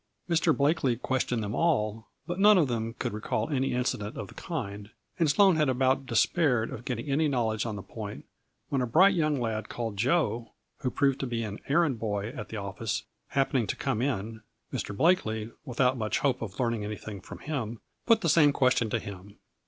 Mr. Blakely questioned them all, but none of them could re call any incident of the kind, and Sloane had about despaired of getting any knowledge on this point, when a bright young lad called Joe who proved to be an errand boy at the office, happening to come in, Mr. Blakely, without much hope of learning anything from him, put the same question to him.